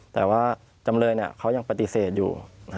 แต่ว่าจำเลยเขายังปฏิเสธอยู่